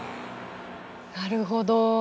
なるほど。